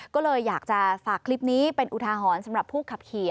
ก็เลยอยากจะฝากคลิปนี้เป็นอุทาหรณ์สำหรับผู้ขับขี่